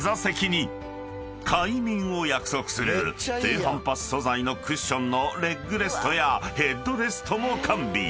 ［快眠を約束する低反発素材のクッションのレッグレストやヘッドレストも完備。